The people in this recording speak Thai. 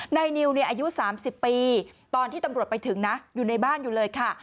นายนิวอายุ๓๐ปีตอนที่ตำรวจไปถึงนะอยู่ในบ้านอยู่เลยค่ะ